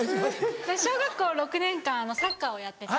私小学校６年間サッカーをやってて。